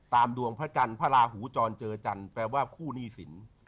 ดวงพระจันทร์พระราหูจรเจอจันทร์แปลว่าคู่หนี้สิน